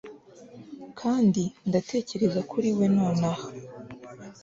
kandi ndatekereza kuri we nonaha